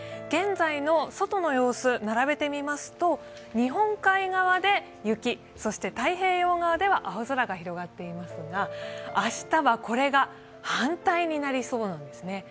現在の外の様子、並べてみますと、日本海側で雪、そして太平洋側では青空が広がっていますが明日はこれが反対になりそうなんですね。